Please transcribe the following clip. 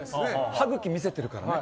歯茎見せてるからね。